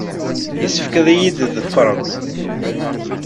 Yessefk ad iyi-tḍefreḍ.